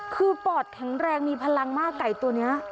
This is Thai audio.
คือปอดแข็งแรงมีพลังมากไก่ตัวนี้